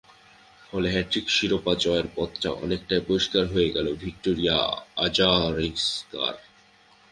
ফলে হ্যাটট্রিক শিরোপা জয়ের পথটা অনেকটাই পরিষ্কার হয়ে গেল ভিক্টোরিয়া আজারেঙ্কার।